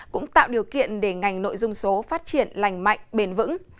cũng tạo điều kiện để ngành nội dung số phát triển lành mạnh bền vững